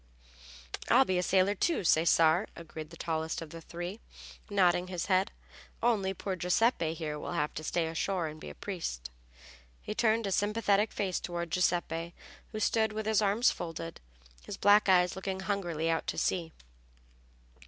"I'll be a sailor too, Cesare," agreed the tallest of the three, nodding his head. "Only poor Giuseppe here will have to stay ashore and be a priest." He turned a sympathetic face toward Giuseppe, who stood with his arms folded, his black eyes looking hungrily out to sea.